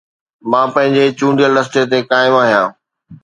مان پنهنجي چونڊيل رستي تي قائم آهيان